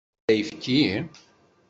Tesseḥmam-d ayefki?